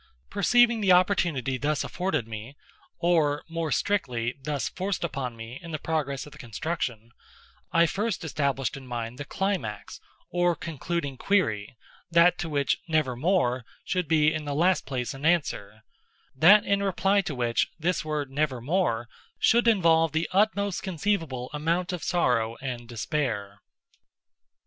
Perceiving the opportunity thus afforded me—or, more strictly, thus forced upon me in the progress of the construction—I first established in mind the climax, or concluding query—that to which "Nevermore" should be in the last place an answer—that in reply to which this word "Nevermore" should involve the utmost conceivable amount of sorrow and despair.